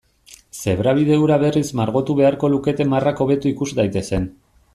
Zebrabide hura berriz margotu beharko lukete marrak hobeto ikus daitezen.